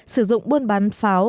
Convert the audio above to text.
sử dụng buôn bán pháo